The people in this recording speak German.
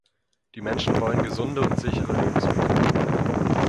Die Menschen wollen gesunde und sichere Lebensmittel.